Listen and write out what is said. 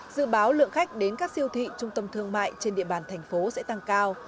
dự báo lượng khách đến các siêu thị trung tâm thương mại trên địa bàn thành phố sẽ tăng cao